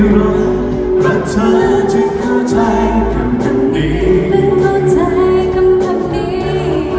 รักเธอจะเข้าใจคำคำนี้